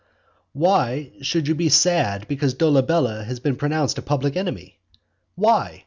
Why should you be sad because Dolabella has been pronounced a public enemy? Why?